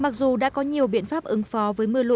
mặc dù đã có nhiều biện pháp ứng phóng